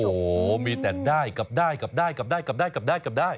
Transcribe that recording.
โอ้โหมีแต่ได้กับได้กับได้กับได้กับได้กับได้